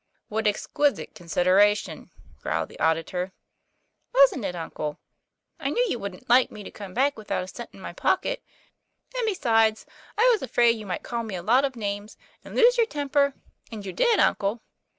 'What exquisite consideration," growled the au ditor. 'Wasn't it, uncle ? I knew you wouldn't like me to come back without a cent in my pocket; and be sides I was afraid you might call me a lot of names, and lose your temper and you did, uncle.